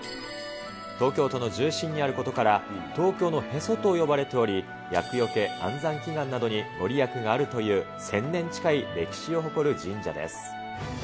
東京都の中心にあることから、東京のへそと呼ばれており、厄よけ、安産祈願などに御利益があるという１０００年近い歴史を誇る神社です。